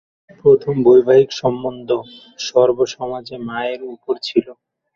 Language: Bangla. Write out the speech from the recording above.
প্রথম বৈবাহিক সম্বন্ধ সর্বসমাজে মায়ের উপর ছিল।